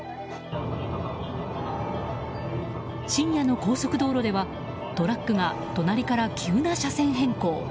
深夜の高速道路ではトラックが隣から急な車線変更。